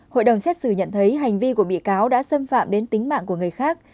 hội đồng xét xử nhận thấy hành vi của bị cáo đã xâm phạm đến tính mạng của người khác